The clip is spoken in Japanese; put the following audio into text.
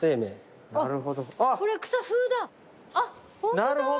なるほど。